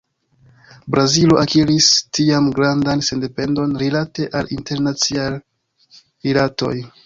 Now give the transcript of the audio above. Brazilo akiris tiam grandan sendependon rilate al internaciaj rilatoj.